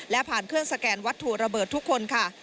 และผ่านเครื่องสแกนวัตถุระเบิดทุกคนค่ะ